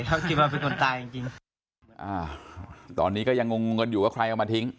อ่าตอนนี้ก็ยังงงอยู่ว่าใครเอามาทิ้ง